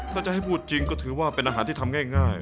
ถ้าจะให้พูดจริงก็ถือว่าเป็นอาหารที่ทำง่าย